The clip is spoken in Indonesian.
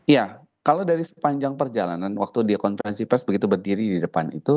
ya kalau dari sepanjang perjalanan waktu dia konferensi pers begitu berdiri di depan itu